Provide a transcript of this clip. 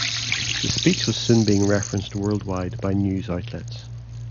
The speech was soon being referenced worldwide by news outlets.